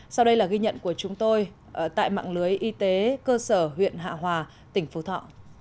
sau đây là ghi nhận của chúng tôi tại mạng lưới y tế cơ sở huyện hạ hòa tỉnh phú thọ